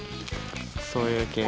そういう系？